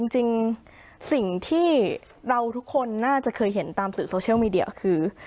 จริงสิ่งที่เราทุกคนน่าจะเคยเห็นตามสื่อโซเชียลมีเดียคือ